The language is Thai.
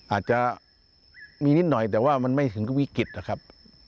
อาจจะมีนิดหน่อยแต่ว่ามันไม่ถึงกับวิกฤตนะครับ